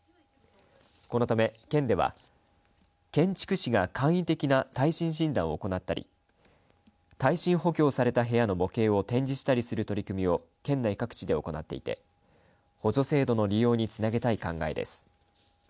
このため、県では建築士が簡易的な耐震診断を行ったり耐震補強された部屋の模型を展示したりする取り組みを県内各地で行っていて補助制度の利用につなげたい考えです。